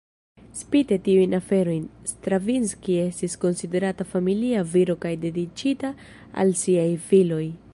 Spite tiujn aferojn, Stravinski estis konsiderata familia viro kaj dediĉita al siaj filoj.